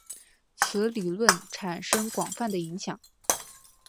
此理论产生广泛的影响。